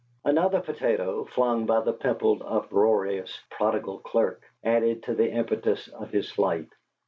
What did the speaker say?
Another potato, flung by the pimpled, uproarious, prodigal clerk, added to the impetus of his flight.